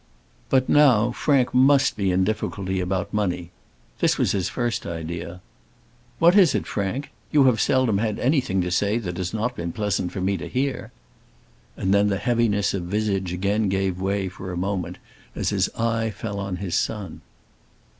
But now Frank must be in difficulty about money. This was his first idea. "What is it, Frank; you have seldom had anything to say that has not been pleasant for me to hear?" And then the heaviness of visage again gave way for a moment as his eye fell upon his son.